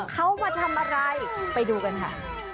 เขามาทำอะไรไปดูกันค่ะ